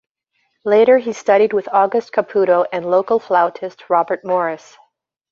Later he studied with August Caputo and local flautist Robert Morris.